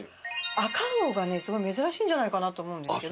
赤魚がねすごい珍しいんじゃないかなと思うんですけど。